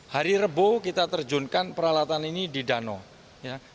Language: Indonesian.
hari rebo kita terjunkan peralatan ini di danau ya